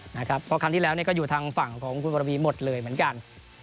เพราะครั้งที่แล้วก็อยู่ทางฝั่งของคุณวรวีหมดเลยเหมือนกัน